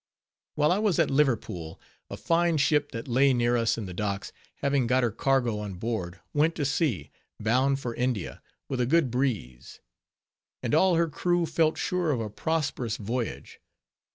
While I was at Liverpool, a fine ship that lay near us in the docks, having got her cargo on board, went to sea, bound for India, with a good breeze; and all her crew felt sure of a prosperous voyage.